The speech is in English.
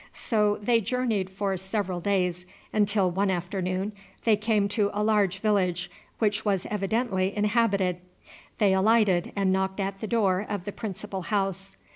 So they journeyed for several days, until one afternoon they came to a large village, which was evidently inhabited. They alighted and knocked at the door of the principal house.